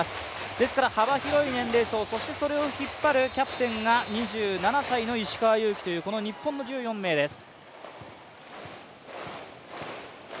ですから幅広い年齢層、そしてそれを引っ張るキャプテンが２７歳の石川祐希というこの日本の１４名です。